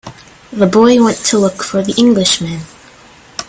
The boy went to look for the Englishman.